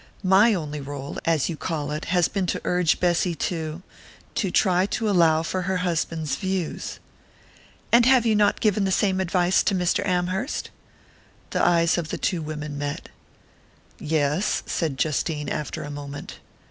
"My only rôle, as you call it, has been to urge Bessy to to try to allow for her husband's views " "And have you not given the same advice to Mr. Amherst?" The eyes of the two women met. "Yes," said Justine, after a moment.